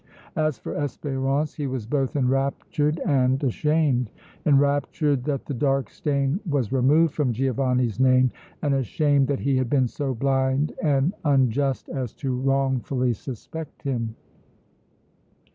As for Espérance, he was both enraptured and ashamed enraptured that the dark stain was removed from Giovanni's name and ashamed that he had been so blind and unjust as to wrongfully suspect him.